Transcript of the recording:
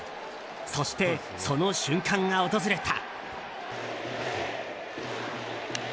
そして、その瞬間が訪れた。